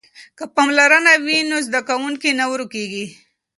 که پاملرنه وي نو زده کوونکی نه ورکیږي.